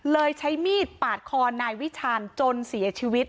ใช้มีดปาดคอนายวิชาญจนเสียชีวิต